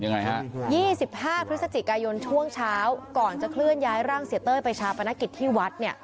ยังไงฮะ๒๕พฤศจิกายนช่วงเช้าก่อนจะเคลื่อนย้ายร่างเสียเต้ยไปชาปนกิจที่วัดเนี่ย